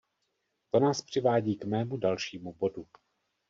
To nás přivádí k mému dalšímu bodu.